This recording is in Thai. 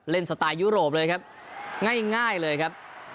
สไตล์ยุโรปเลยครับง่ายเลยครับ